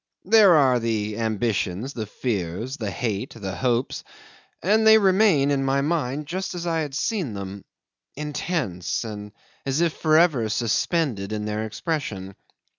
There are the ambitions, the fears, the hate, the hopes, and they remain in my mind just as I had seen them intense and as if for ever suspended in their expression.